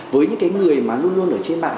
với những cái người mà luôn luôn ở trên mạng